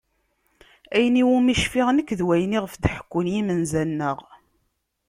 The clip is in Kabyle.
Ayen iwumi cfiɣ nekk d wayen iɣef i d-ḥekkun yimenza-nneɣ.